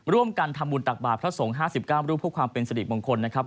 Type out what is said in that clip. ร่วมกันทำบุญตักบาทพระสงฆ์๕๙รูปเพื่อความเป็นสริมงคลนะครับ